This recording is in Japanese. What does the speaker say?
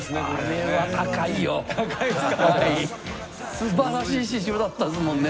すばらしい刺繍だったですもんね。